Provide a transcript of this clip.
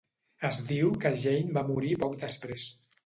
Es diu que Jane va morir poc després.